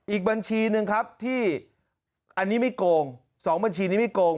อีกบัญชีหนึ่งครับที่อันนี้ไม่โกง๒บัญชีนี้ไม่โกง